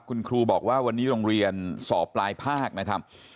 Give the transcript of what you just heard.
คุณครูบอกว่าวันนี้โรงเรียนสอบปลายภาคนะครับ